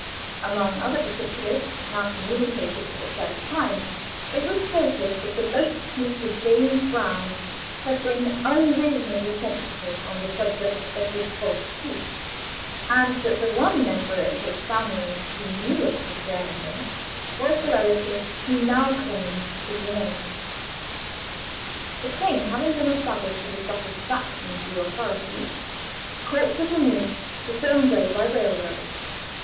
Among other particulars, now communicated for the first time, it was stated that the late Mr. James Brown had been unreasonably sensitive on the subject of his false teeth, and that the one member of his family who knew of his wearing them was the relative who now claimed his remains. The claim having been established to the satisfaction of the authorities, the corpse was removed by railroad the same day.